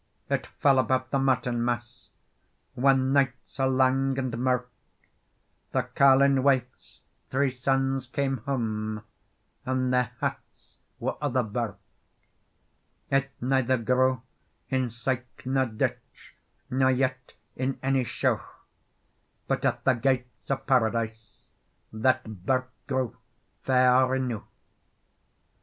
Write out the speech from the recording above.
It fell about the Martinmass, Whan nights are lang and mirk, The carline wife's three sons came hame, And their hats were o the birk. It neither grew in syke nor ditch, Nor yet in ony sheugh; But at the gates o Paradise That birk grew fair eneugh.